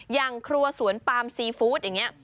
อย่างครัวสวนปามซีฟู้ดอย่างนี้